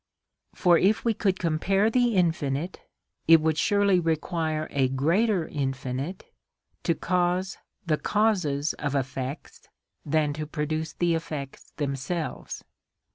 For if we could compare the Infinite it would surely require a greater Infinite to cause the causes of effects than to produce the effects themselves.